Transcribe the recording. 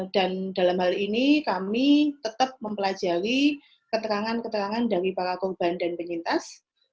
dan dalam hal ini kami tetap mempelajari keterangan keterangan dari para korban dan penyintas